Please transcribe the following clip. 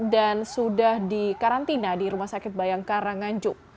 dan sudah di karantina di rumah sakit bayangkara nganjuk